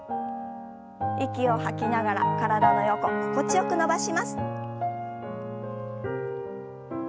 息を吐きながら体の横心地よく伸ばします。